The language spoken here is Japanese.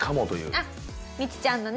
あっミチちゃんのね